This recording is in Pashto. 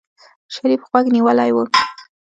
شريف غوږ نيولی و.